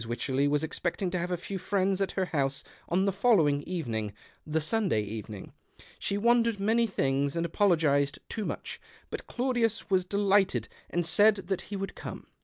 AVycherley was expecting to have a few friends at her house on the following evening — the Sunday evening. She wondered many things, and apologized too much ; but Claudius was delighted and said that he would come.